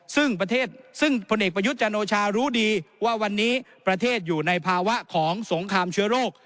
ซึ่งประเทศซึ่งพลเอกประยุทธ์จันโอชารู้ดีว่าวันนี้ประเทศอยู่ในภาวะของสงครามเชื้อโรค